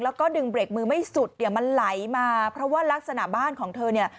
แล้วก็ดึงเบรกมือไม่สุดเนี่ยมันไหลมาเพราะว่ารักษณะบ้านของเธอเนี่ย